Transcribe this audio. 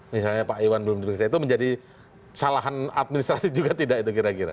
misalnya pak iwan belum diperiksa itu menjadi salahan administrasi juga tidak itu kira kira